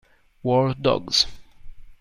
War Dogs